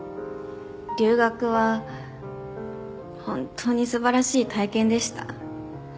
留学は本当に素晴らしい体験でした。